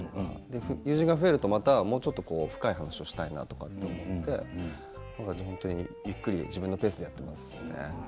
友人が増えると深い話をしたいなと思ってゆっくり自分のペースでやっています。